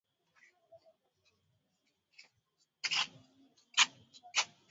Gazeti la Afrika mashariki limepata taarifa kuwa Kenya na Uganda walikataa uamuzi wa zoezi la uhakiki